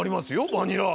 バニラ味